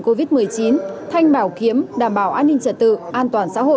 covid một mươi chín thanh bảo kiếm đảm bảo an ninh trật tự an toàn xã hội